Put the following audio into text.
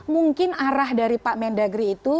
mungkin arah dari pak mendagri itu